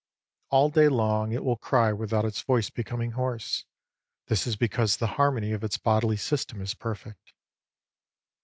All day long it will cry without its voice becoming hoarse. This is because the harmony of its bodily system is perfect.